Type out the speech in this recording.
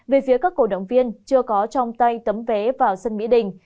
về phía các cổ động viên chưa có trong tay tấm vé vào sân mỹ đình